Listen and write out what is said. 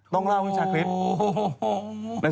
ต้องเล่าให้ชาติคลิป